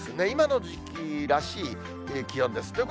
今の時期らしい気温です。